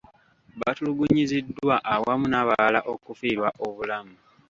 Batulugunyiziddwa awamu n'abalala okufiirwa obulamu.